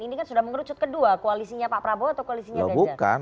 ini kan sudah mengerucut kedua koalisinya pak prabowo atau koalisinya ganjar